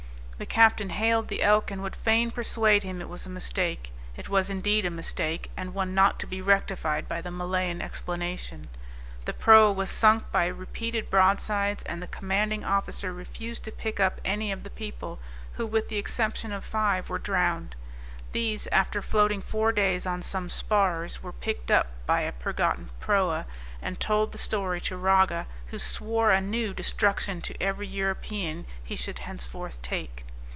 The captain hailed the Elk, and would fain persuade him it was a mistake. It was indeed a mistake, and one not to be rectified by the Malayan explanation. The proa was sunk by repeated broadsides, and the commanding officer refused to pick up any of the people, who, with the exception of five were drowned; these, after floating four days on some spars, were picked up by a Pergottan proa, and told the story to Raga, who swore anew destruction to every European he should henceforth take.